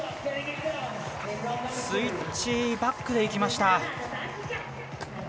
スイッチバックでいきました。